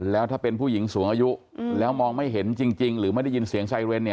แล้วถ้าเป็นผู้หญิงสูงอายุแล้วมองไม่เห็นจริงหรือไม่ได้ยินเสียงไซเรนเนี่ย